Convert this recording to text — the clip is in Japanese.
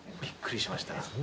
ビックリしました。